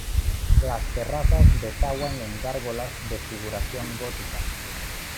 Las terrazas desaguan en gárgolas de figuración gótica.